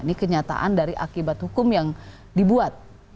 ini kenyataan dari akibat hukum yang dibuat